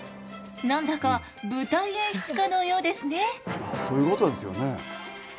何だか舞台演出家のようですね。